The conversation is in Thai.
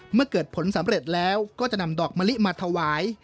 เมื่อเกิดผลสำเร็จแล้วก็จะนำดอกมะลิมาถวาย